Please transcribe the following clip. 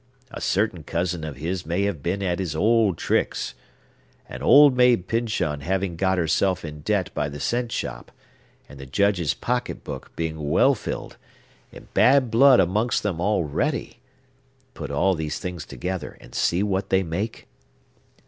A certain cousin of his may have been at his old tricks. And Old Maid Pyncheon having got herself in debt by the cent shop,—and the Judge's pocket book being well filled,—and bad blood amongst them already! Put all these things together and see what they make!"